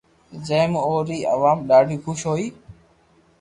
جي مون اوري عوام ڌاڌي خوݾ ھتي